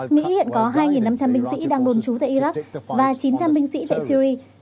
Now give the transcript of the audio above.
mỹ hiện có hai năm trăm linh binh sĩ đang đồn trú tại iraq và chín trăm linh binh sĩ tại syri